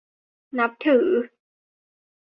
นับถือ